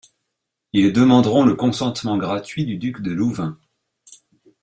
Ils demanderont le consentement gratuit du duc de Louvain.